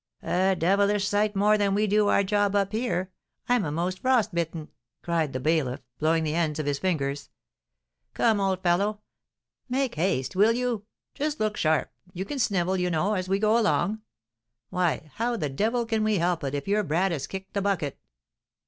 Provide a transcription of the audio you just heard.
"A devilish sight more than we do our job up here! I'm a'most frost bitten!" cried the bailiff, blowing the ends of his fingers. "Come, old fellow, make haste, will you! Just look sharp! You can snivel, you know, as we go along. Why, how the devil can we help it, if your brat has kicked the bucket?"